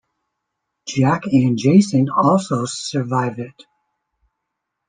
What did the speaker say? Jack and Jason also survive it.